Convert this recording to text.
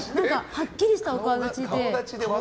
はっきりしたお顔立ちで。